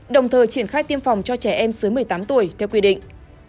đồng thời triển khai tiêm phòng cho trẻ em dưới một mươi tám tuổi theo quy định